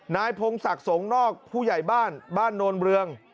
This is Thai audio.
นายพงศักดิ์สงนอกผู้ใหญ่บ้านบ้านโนนเรือง